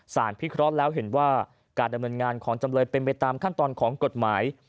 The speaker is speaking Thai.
พิเคราะห์แล้วเห็นว่าการดำเนินงานของจำเลยเป็นไปตามขั้นตอนของกฎหมาย